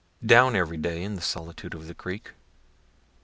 Down every day in the solitude of the creek.